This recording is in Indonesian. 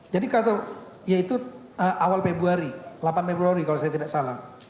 jadi kalau ya itu awal februari delapan februari kalau saya tidak salah